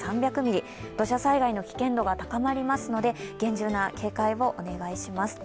土砂災害の危険度が高まりますので、厳重な警戒をお願いします。